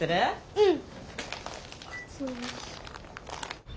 うん。